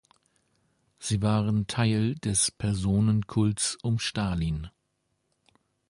Sie waren Teil des Personenkults um Stalin.